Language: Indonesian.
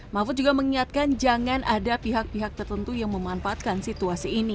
mahfud juga mengingatkan jangan ada pihak pihak tertentu yang memanfaatkan situasi ini